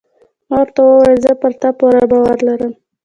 ما ورته وویل: زه پر تا پوره باور لرم.